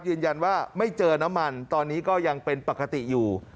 ยืนยันว่าไม่เจอน้ำมันตอนนี้ก็ยังเป็นปกติอยู่